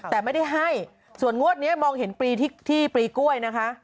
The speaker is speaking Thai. แต่ไม่ได้ให้ส่วนงวดนี้มองเห็นปรีที่ปลีกล้วยนะคะ